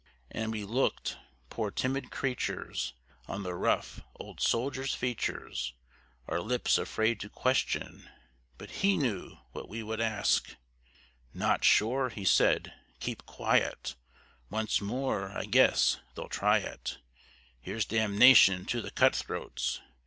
And we looked, poor timid creatures, on the rough old soldier's features, Our lips afraid to question, but he knew what we would ask: "Not sure," he said; "keep quiet, once more, I guess, they'll try it Here's damnation to the cut throats!"